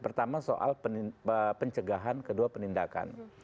pertama soal pencegahan kedua penindakan